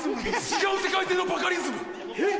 違う世界線のバカリズムえっ！？